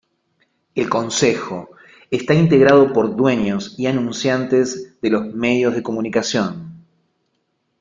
El Consejo está integrado por dueños y anunciantes de los medios de comunicación.